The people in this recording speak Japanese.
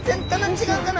違うかな？